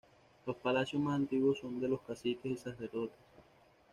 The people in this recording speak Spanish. Los palacios más antiguos son de los caciques y Sacerdotes.